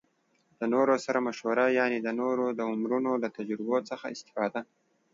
له نورو سره مشوره يعنې د نورو د عمرونو له تجربو څخه استفاده